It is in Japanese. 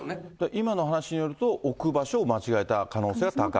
今のお話しによると置く場所を間違えた可能性が高いと。